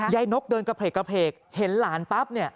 ยัยนกเดินกระเพกเห็นหลานปั๊บ